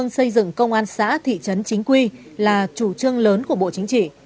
xây dựng công an xã thị trấn chính quy là chủ trương lớn của bộ chính trị